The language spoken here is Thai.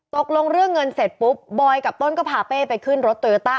ตกลงเรื่องเงินเสร็จปุ๊บบอยกับต้นก็พาเป้ไปขึ้นรถโตโยต้า